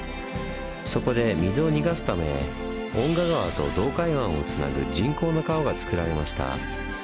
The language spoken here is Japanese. そこで水を逃がすため遠賀川と洞海湾をつなぐ人工の川がつくられました。